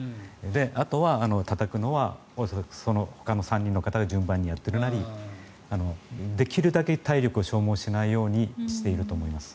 あとはたたくのはほかの３人の方が順番にやるなりできるだけ体力を消耗しないようにしていると思います。